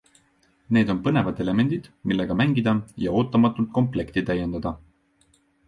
Need on põnevad elemendid, millega mängida ja ootamatult komplekti täiendada.